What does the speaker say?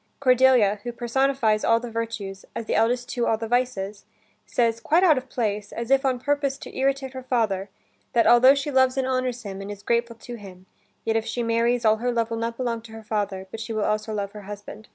Cordelia, who personifies all the virtues, as the eldest two all the vices, says, quite out of place, as if on purpose to irritate her father, that altho she loves and honors him, and is grateful to him, yet if she marries, all her love will not belong to her father, but she will also love her husband.